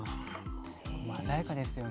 鮮やかですよね。